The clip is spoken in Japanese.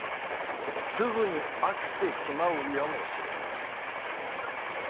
すぐに飽きてしまうやもしれぬ。